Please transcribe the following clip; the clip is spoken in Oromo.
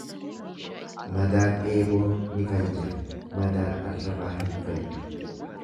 Madaan eeboo ni fayya, madaan arrabaa hin fayyu.